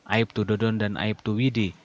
aibtu dodon dan aibtu wide